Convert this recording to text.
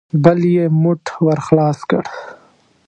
بل يې موټ ور خلاص کړ.